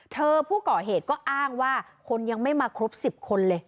ผู้ก่อเหตุก็อ้างว่าคนยังไม่มาครบ๑๐คนเลย